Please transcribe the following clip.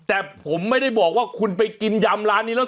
แต่ผมไม่ได้บอกว่าคุณไปกินยำร้านนี้แล้ว